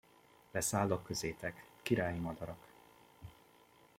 Leszállok közétek, királyi madarak!